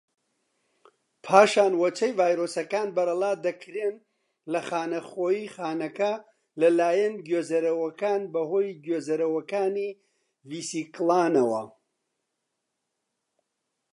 پاشان وەچەی ڤایرۆسەکان بەرەڵا دەکرێن لە خانەخوێی خانەکە لەلایەن گوێزەرەوەکان بەهۆی گوێزەرەوەکانی ڤیسیکڵەکانەوە.